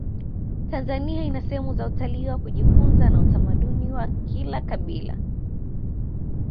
tanzania ina sehemu za utalii wa kujifunza utamaduni wa kila kabila